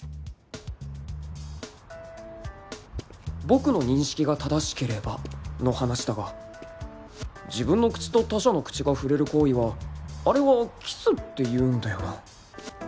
僕の認識が正しければの話だが自分の口と他者の口が触れる行為はあれはキスっていうんだよな